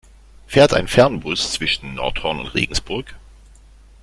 Fährt ein Fernbus zwischen Nordhorn und Regensburg?